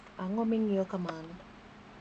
Ango mingiyo kamano .